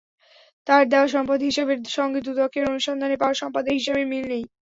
তাঁর দেওয়া সম্পদ হিসাবের সঙ্গে দুদকের অনুসন্ধানে পাওয়া সম্পদের হিসাবের মিল নেই।